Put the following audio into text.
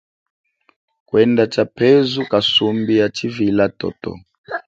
Kwenda tshalupezu kasumbi ya tshivila toto.